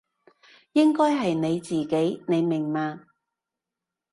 應該係你自己，你明嘛？